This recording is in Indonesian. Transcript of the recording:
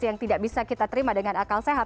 yang tidak bisa kita terima dengan akal sehat